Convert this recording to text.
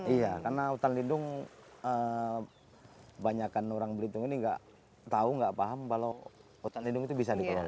iya karena hutan lindung banyakan orang belitung ini nggak tahu nggak paham kalau hutan lindung itu bisa dikelola